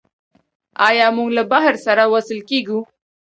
آیا موږ له بحر سره وصل کیږو؟